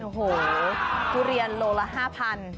โอ้โหทุเรียนโลละ๕๐๐บาท